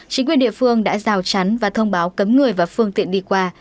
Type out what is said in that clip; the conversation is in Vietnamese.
chính quyền địa phương đã rào chắn và thông báo cấm người và phương tiện đi qua